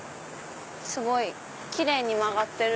すごい奇麗に曲がってる。